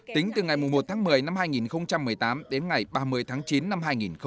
tính từ ngày một tháng một mươi năm hai nghìn một mươi tám đến ngày ba mươi tháng chín năm hai nghìn một mươi chín